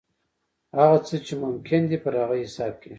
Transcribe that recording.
هغه څه چې ممکن دي پر هغه حساب کېږي.